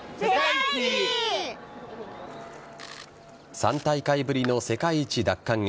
３大会ぶりの世界一奪還へ